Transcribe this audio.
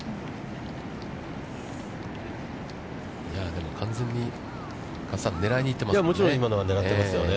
でも完全に加瀬さん、狙いに行ってますね。